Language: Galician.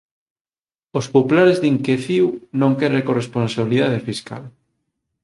Os populares din que CiU non quere corresponsabilidade fiscal